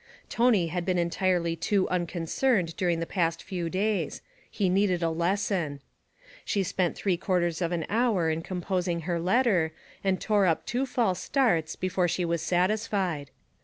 Tony had been entirely too unconcerned during the past few days; he needed a lesson. She spent three quarters of an hour in composing her letter, and tore up two false starts before she was satisfied.